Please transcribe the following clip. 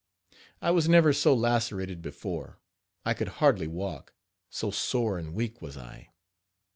I was never so lacerated before. I could hardly walk, so sore and weak was I.